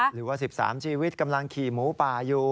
หรือว่า๑๓ชีวิตกำลังขี่หมูป่าอยู่